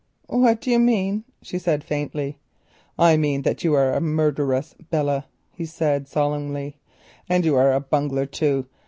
"What do you mean?" she said faintly. "I mean that you are a murderess, Belle," he said solemnly. "And you are a bungler, too.